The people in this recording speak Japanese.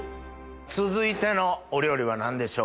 続いてのお料理は何でしょうか？